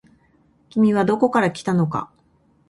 君はどこから来たのか。